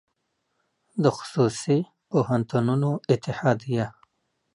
د خصوصي پوهنتونونو اتحادیه